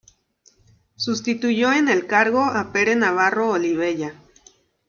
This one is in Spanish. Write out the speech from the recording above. Sustituyó en el cargo a Pere Navarro Olivella.